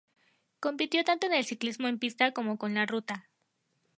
Compitió tanto en el ciclismo en pista como con la ruta.